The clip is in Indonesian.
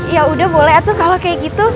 ya udah boleh atuh kalo kaya gitu